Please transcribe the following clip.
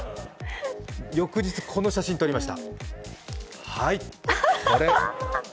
翌日、この写真撮りました。